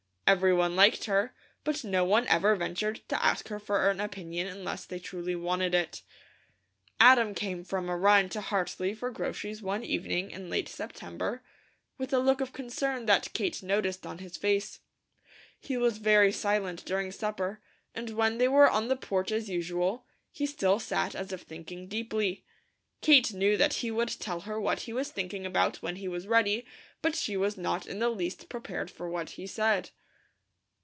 Everyone liked her; but no one ever ventured to ask her for an opinion unless they truly wanted it. Adam came from a run to Hartley for groceries one evening in late September, with a look of concern that Kate noticed on his face. He was very silent during supper and when they were on the porch as usual, he still sat as if thinking deeply. Kate knew that he would tell her what he was thinking about when he was ready but she was not in the least prepared for what he said.